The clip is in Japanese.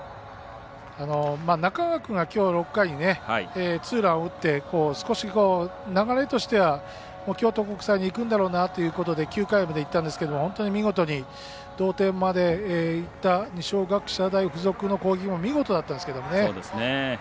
中川君がきょう６回にツーランを打って少し流れとしては京都国際にいくんだろうなということで９回までいったんですけど本当に見事に同点までいった二松学舎大付属の攻撃も見事だったんですけどね。